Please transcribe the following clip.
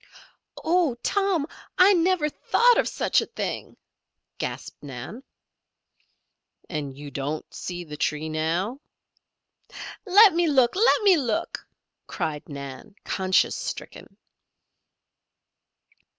"Oh, Tom! I never thought of such a thing," gasped Nan. "And you don't see the tree now?" "Let me look! Let me look!" cried Nan, conscience stricken.